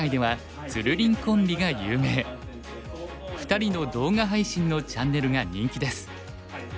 ２人の動画配信のチャンネルが人気です。